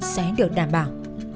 sẽ được đảm bảo